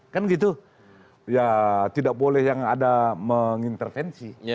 kan gitu ya tidak boleh yang ada mengintervensi